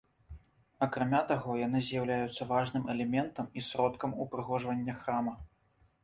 Акрамя таго, яны з'яўляюцца важным элементам і сродкам упрыгожвання храма.